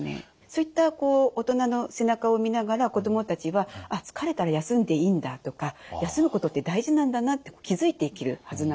そういった大人の背中を見ながら子どもたちは「疲れたら休んでいいんだ」とか「休むことって大事なんだな」って気付いていけるはずなんですね。